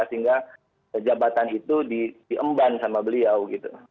sehingga jabatan itu diemban sama beliau gitu